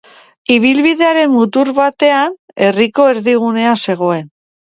Ibilbidearen mutur batean herriko erdigunea zegoen.